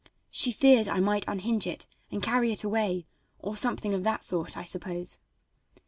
She feared I might unhinge it and carry it away, or something of that sort, I suppose.